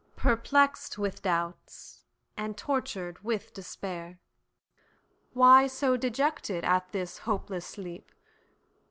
Perplex'd with doubts, and tortured with despair, Why so dejected at this hopeless sleep?